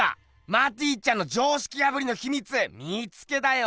マティちゃんの常識破りのひみつ見つけたよ！